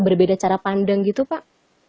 berbeda cara pandang gitu pak